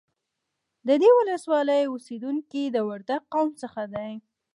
د دې ولسوالۍ اوسیدونکي د وردگ قوم څخه دي